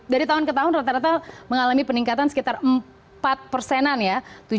dari tahun ke tahun rata rata mengalami peningkatan sekitar empat persenan ya